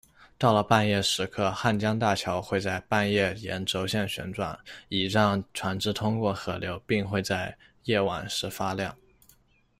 到了半夜时刻，瀚江大桥会在半夜沿轴线旋转，以让船只通过河流，并会在夜晚时发亮。